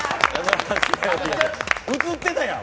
映ってたやん！